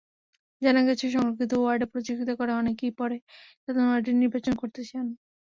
জানা গেছে, সংরক্ষিত ওয়ার্ডে প্রতিযোগিতা করে অনেকেই পরে সাধারণ ওয়ার্ডে নির্বাচন করতে চান।